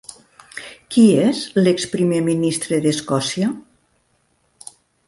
Qui és l'ex-primer ministre d'Escòcia?